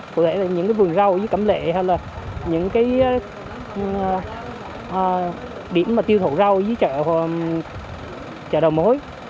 cụ thể là những vườn rau với cẩm lệ hay là những cái điểm mà tiêu thụ rau với chợ đầu mối